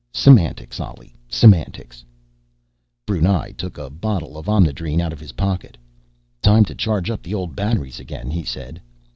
"Semantics, Ollie, semantics." Brunei took a bottle of Omnidrene out of his pocket. "Time to charge up the old batteries again," he said.